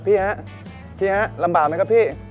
พี่ฮะพี่ฮะลำบากไหมครับพี่